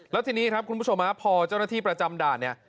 แล้วทีนี้ครับคุณผู้ชมพอเจ้าหน้าที่ประจำด่านเนี่ย